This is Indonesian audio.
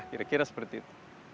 kira kira seperti itu